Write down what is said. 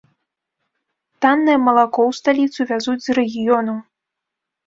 Таннае малако ў сталіцу вязуць з рэгіёнаў.